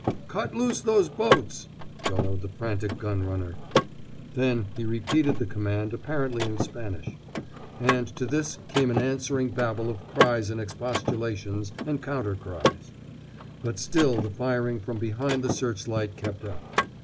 "Cut loose those boats!" bellowed the frantic gun runner. Then he repeated the command, apparently in Spanish. And to this came an answering babel of cries and expostulations and counter cries. But still the firing from behind the searchlight kept up.